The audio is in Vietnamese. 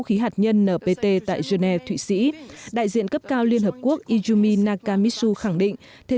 khí hạt nhân tại geneva thụy sĩ đại diện cấp cao liên hợp quốc izumi nakamitsu khẳng định thế